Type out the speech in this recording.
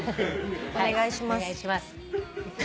お願いします。